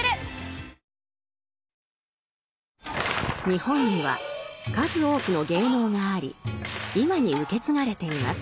日本には数多くの芸能があり今に受け継がれています。